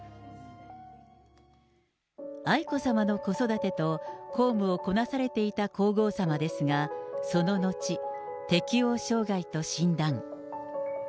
愛子さまの子育てと公務をこなされていた皇后さまですが、その後、適応障害と診断。